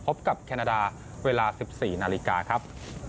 พบกับแคนาดาเวลา๑๔นาฬิกาครับ